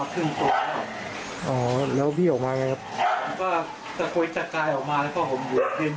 ขนลงมาได้สอบเจอแผ่นโตเนี่ยทับอยู่